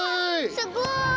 すごい！